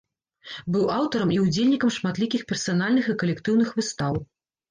Быў аўтарам і ўдзельнікам шматлікіх персанальных і калектыўных выстаў.